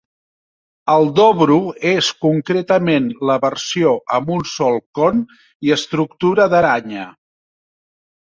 El Dobro és concretament la versió amb un sol con i estructura d'aranya.